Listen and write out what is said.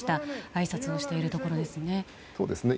あいさつをしているところですね。